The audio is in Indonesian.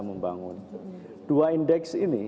membangun dua indeks ini